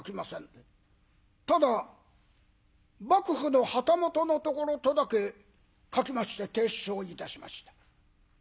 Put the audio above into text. ただ幕府の旗本のところとだけ書きまして提出をいたしました。